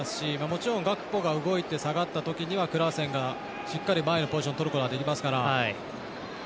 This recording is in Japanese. もちろんガクポが動いて下がったときにはクラーセンがしっかり前でポジションをとることができますから。